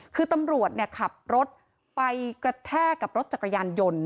คือตำรวจขับรถไปกระแทกกับรถจักรยานยนต์